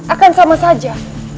akan sama saja